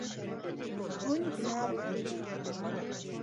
Hûn nabizdînin.